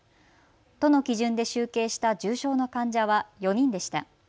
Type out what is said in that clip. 都の基準で集計した重症の患者は４人でした。